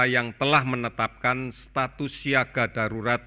yang telah menetapkan status siaga darurat